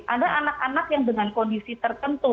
ada anak anak yang dengan kondisi tertentu